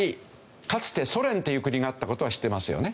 かつてソ連という国があった事は知ってますよね？